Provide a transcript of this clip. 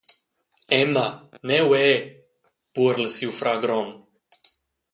«Emma, neu è», buorla siu frar grond.